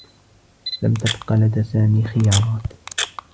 لم تبق لدى سامي خيارات.